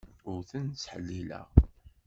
Ur ten-ttḥellileɣ.